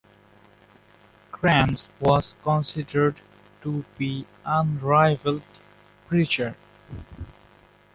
Kranz was considered to be unrivalled preacher.